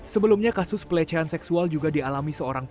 sebelumnya kasus pelecehan seksual juga dialami seorang pria